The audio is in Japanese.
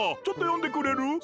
ちょっとよんでくれる？